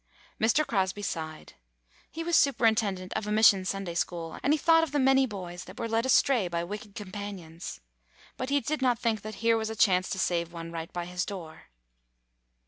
Mr. Crosby sighed. He was superintendent of a mission Sunday school, and he thought of the many boys that were led astray by wicked companions. But he did not think that here was a chance to save one right by his door.